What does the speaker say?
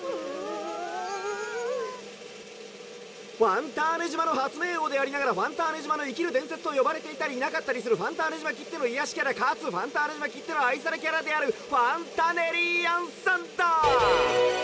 「ファンターネ島の発明王でありながらファンターネ島の生きる伝説と呼ばれていたりいなかったりするファンターネ島きっての癒やしキャラかつファンターネ島きっての愛されキャラであるファンタネリアンさんだ！」。